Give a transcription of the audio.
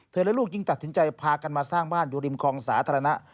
และลูกยิ่งตัดสินใจพากันมาสร้างบ้านอยู่ริมคลองสาธารณะ